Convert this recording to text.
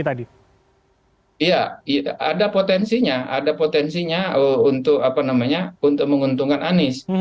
ada potensinya untuk menguntungkan anis